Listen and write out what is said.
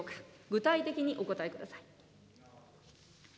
具体的にお答えください。